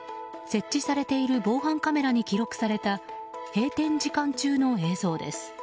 設置されている防犯カメラに記録された閉店時間中の映像です。